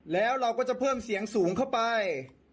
แล้วเราก็จะเพิ่มเสียงสูงเข้าไป